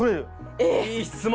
いい質問。